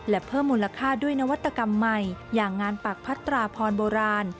และเพิ่มมูลค่าด้วยนวัตกรรมใหม่อย่างงานปักพัตราพรโบราณ